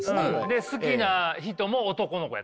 で好きな人も男の子やったし。